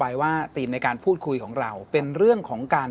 แล้วก็ต้องบอกคุณผู้ชมนั้นจะได้ฟังในการรับชมด้วยนะครับเป็นความเชื่อส่วนบุคคล